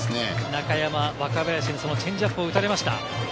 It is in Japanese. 中山、若林にそのチェンジアップを打たれました。